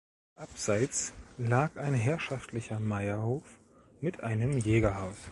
Abseits lag ein herrschaftlicher Meierhof mit einem Jägerhaus.